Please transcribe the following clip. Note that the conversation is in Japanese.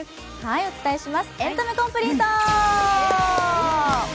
お伝えします、「エンタメコンプリート」